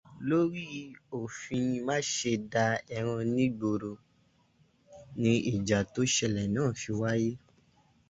Lórí òfin máse da ẹran nígboro ni ìjà tó ṣẹlẹ̀ náà fi wáyé.